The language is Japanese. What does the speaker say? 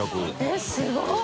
えっすごい！